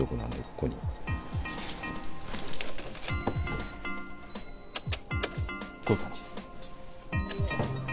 こういう感じ。